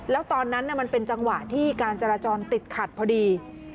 แล้วตอนนั้นมันเป็นจังหวะที่การจราจรติดขัดพอดี